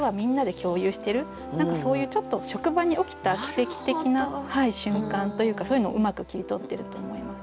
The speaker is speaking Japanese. そういうちょっと職場に起きた奇跡的な瞬間というかそういうのをうまく切り取ってると思います。